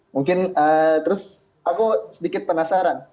mungkin terus aku sedikit penasaran